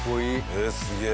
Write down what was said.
えっすげえ。